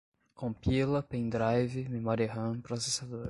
compila, pen drive, memória ram, processador